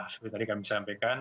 seperti tadi kami sampaikan